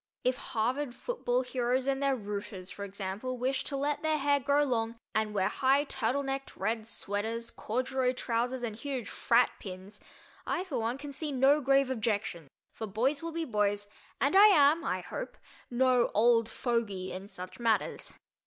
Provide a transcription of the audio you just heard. If Harvard football heroes and their "rooters," for example, wish to let their hair grow long and wear high turtle necked red "sweaters," corduroy trousers and huge "frat" pins, I, for one, can see no grave objection, for "boys will be boys" and I am, I hope, no "old fogy" in such matters.